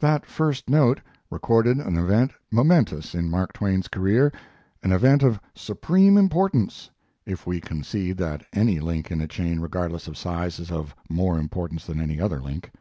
That first note recorded an event momentous in Mark Twain's career an event of supreme importance; if we concede that any link in a chain regardless of size is of more importance than any other link.